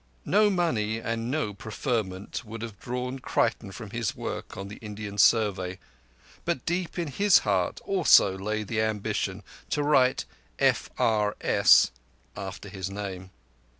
No money and no preferment would have drawn Creighton from his work on the Indian Survey, but deep in his heart also lay the ambition to write "F R S" after his name.